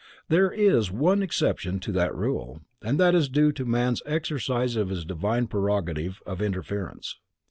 There is one exception to that rule, and that is due to man's exercise of his divine prerogative of interference.